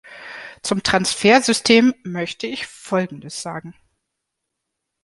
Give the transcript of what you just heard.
Zum Transfersystem möchte ich folgendes sagen.